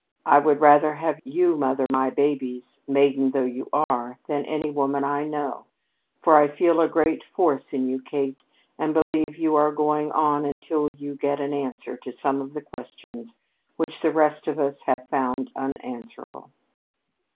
I would rather have you mother my babies, maiden though you are, than any woman I know, for I feel a great force in you, Kate, and believe you are going on until you get an answer to some of the questions which the rest of us have found unanswerable.